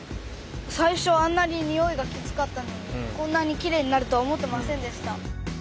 最初はあんなににおいがきつかったのにこんなにきれいになるとは思ってませんでした。